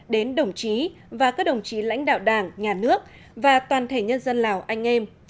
đến đồng chí và các đồng chí lãnh đạo đảng nhà nước và toàn thể nhân dân lào anh em